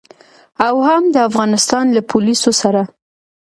او هم د افغانستان له پوليسو سره.